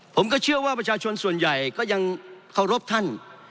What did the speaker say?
ผมก็เชื่อว่าประชาชนส่วนใหญ่ก็ยังเคารพท่าน